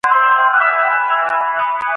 كاوه زموږ عزت يې اخيست